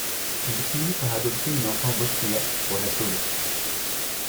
Il finit par adopter une enfant bosniaque pour la sauver.